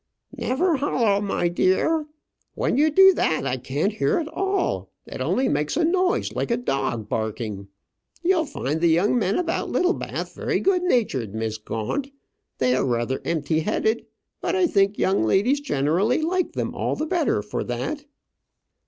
"Never hollo, my dear. When you do that I can't hear at all. It only makes a noise like a dog barking. You'll find the young men about Littlebath very good natured, Miss Gaunt. They are rather empty headed but I think young ladies generally like them all the better for that."